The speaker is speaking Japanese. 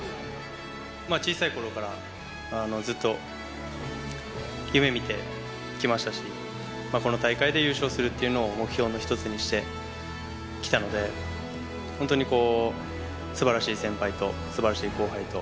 小さいころから、ずっと夢みてきましたし、この大会で優勝するっていうのを目標の一つにしてきたので、本当にすばらしい先輩とすばらしい後輩と、